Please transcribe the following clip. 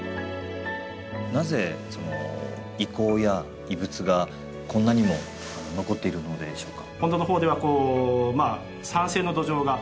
なぜその遺構や遺物がこんなにも残っているのでしょうか？